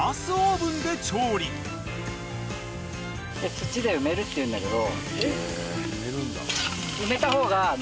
土で埋めるっていうんだけど。